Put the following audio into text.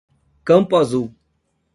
Campo Azul